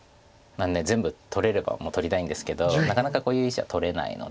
全部取れればもう取りたいんですけどなかなかこういう石は取れないので。